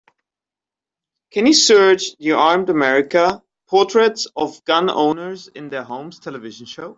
Can you search the Armed America: Portraits of Gun Owners in Their Homes television show?